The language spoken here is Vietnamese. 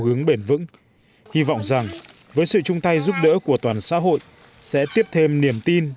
hướng bền vững hy vọng rằng với sự chung tay giúp đỡ của toàn xã hội sẽ tiếp thêm niềm tin